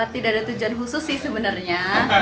tidak ada tujuan khusus sih sebenarnya